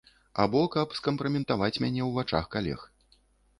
Або каб скампраметаваць мяне ў вачах калег.